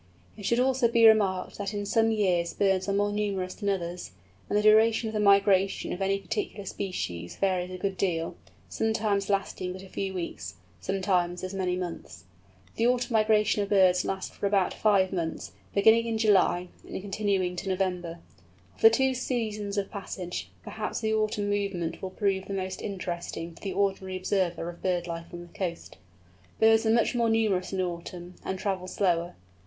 It should also be remarked that in some years birds are more numerous than others, and the duration of the migration of any particular species varies a good deal, sometimes lasting but a few weeks, sometimes as many months. The autumn migration of birds lasts for about five months, beginning in July, and continuing to November. Of the two seasons of passage, perhaps the autumn movement will prove the most interesting to the ordinary observer of bird life on the coast. Birds are much more numerous in autumn, and travel slower.